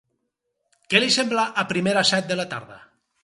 Què li sembla a primera set de la tarda?